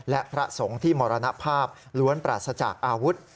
และพระสงฆ์ที่มรณภาพล้วนปราศจากอาวุธ